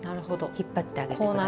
引っ張ってあげて下さい。